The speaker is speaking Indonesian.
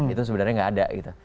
itu sebenarnya nggak ada gitu